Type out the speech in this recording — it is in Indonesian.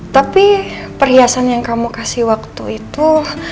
tapi perhiasan yang kamu kasih waktu itu